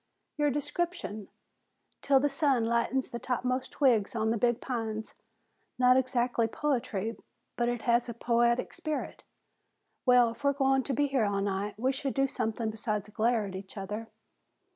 "Your description. ''Til the sun lightens the topmost twigs on the big pines.' Not exactly poetry, but it has a poetic spirit. Well, if we're going to be here all night, we should do something besides glare at each other."